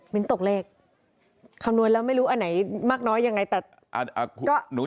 ตกเลขคำนวณแล้วไม่รู้อันไหนมากน้อยยังไงแต่ก็หนู